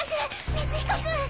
光彦君！